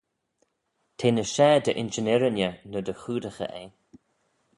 Te ny share dy insh yn irriney ny dy choodaghey eh.